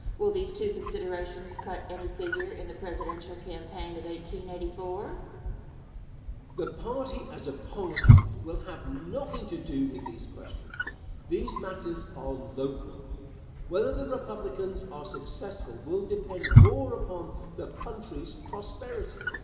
Question. Will these two considerations cut any figure in the presidential campaign of 1884? Answer. The party, as a party, will have nothing to do with these questions. These matters are local. Whether the Republicans are successful will depend more upon the country's prosperity.